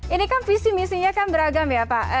ini kan visi misinya kan beragam ya pak